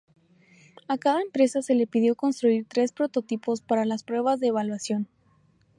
A cada empresa se le pidió construir tres prototipos para las pruebas de evaluación.